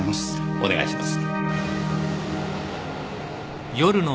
お願いします。